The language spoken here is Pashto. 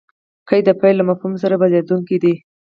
قید؛ د فعل له مفهوم سره بدلېدونکی دئ.